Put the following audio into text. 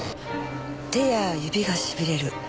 手や指がしびれる。